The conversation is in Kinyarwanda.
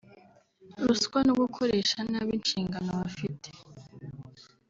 ruswa no gukoresha nabi inshingano bafite